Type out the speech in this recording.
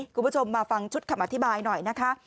คุณผู้ชมมาฟังชุดคำอธิบายหน่อยนะคะ